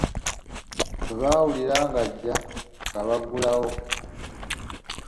Bwe baawulira nga ajja nga bagalawo.